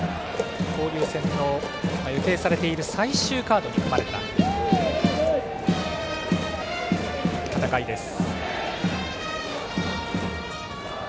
交流戦の予定されている最終カードに組まれた戦いです。